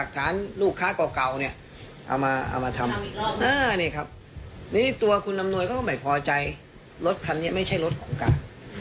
ทีนี้ลำเนี่ยไม่ใช่รถของกัน